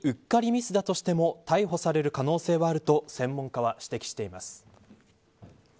ただ、本当にうっかりミスだとしても逮捕される可能性はあると専門家は指摘しています。